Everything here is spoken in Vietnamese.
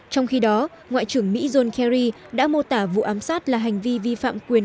trong khi đó ngoại trưởng mỹ john kerry đã mô tả vụ ám sát là hành vi vi phạm quyền